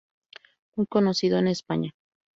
Muy conocido en España.